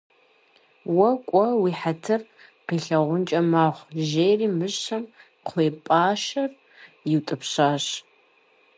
- Уэ кӏуэ, уи хьэтыр къилъагъункӏэ мэхъу,- жери мыщэм кхъуэпӏащэр иутӏыпщащ.